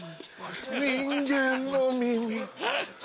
人間の耳。